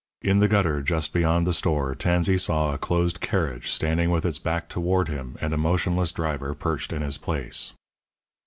In the gutter just beyond the store Tansey saw a closed carriage standing with its back toward him and a motionless driver perched in his place.